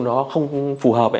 nó không phù hợp